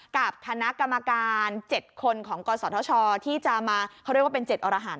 กับคณะกรรมการ๗คนของกศธชที่จะมาเขาเรียกว่าเป็น๗อรหัน